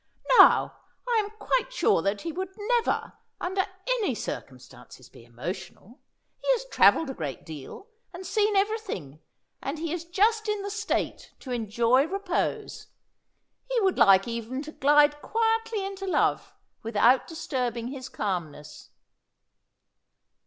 "Now, I am quite sure that he would never, under any circumstances, be emotional. He has travelled a great deal and seen everything, and he is just in the state to enjoy repose. He would like even to glide quietly into love without disturbing his calmness."